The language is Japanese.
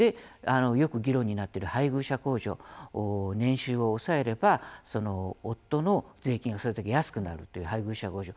よく議論になっている配偶者控除、年収を抑えれば夫の税金は安くなるという配偶者控除